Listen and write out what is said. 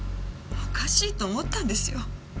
おかしいと思ったんですよ。